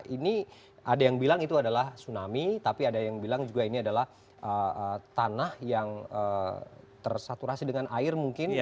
ini ada yang bilang itu adalah tsunami tapi ada yang bilang juga ini adalah tanah yang tersaturasi dengan air mungkin